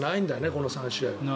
この３試合は。